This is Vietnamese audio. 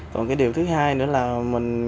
còn cái điều thứ hai nữa là mình